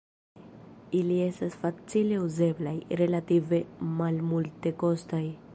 Ili estas facile uzeblaj, relative malmultekostaj.